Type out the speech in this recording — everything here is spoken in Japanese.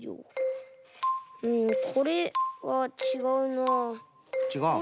うんこれはちがうな。